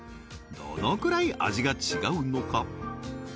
どのくらい味が違うのか？